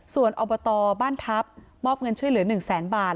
ส่วนอบตบ้านทัพมอบเงินช่วยเหลือ๑แสนบาท